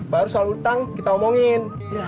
baru soal utang kita omongin